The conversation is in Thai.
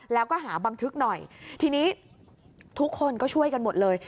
แล้วก็หาบันทึกหน่อยทีนี้ทุกคนก็ช่วยกันหมดเลย